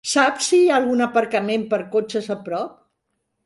Saps si hi ha algun aparcament per a cotxes a prop?